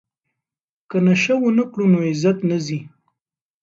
که نشه ونه کړو نو عزت نه ځي.